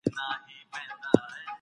سهار نوې ورځ ده.